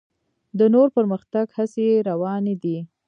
د نور پرمختګ هڅې یې روانې دي.